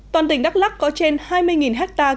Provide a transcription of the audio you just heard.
toàn tỉnh đắk lắc có trên hai mươi hectare